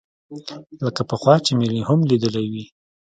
لکه پخوا چې مې هم ليدلى وي.